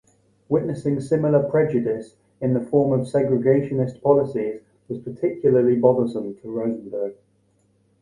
Witnessing similar prejudice in the form of segregationist policies was particularly bothersome to Rosenberg.